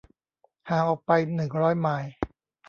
ห่างออกไปหนึ่งร้อยไมล์